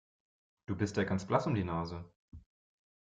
Du bist ja ganz blass um die Nase.